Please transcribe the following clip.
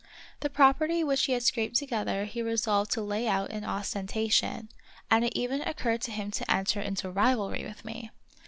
The property which he had scraped together he resolved to lay out in ostentation, and it even occurred to him to enter into rivalry with me.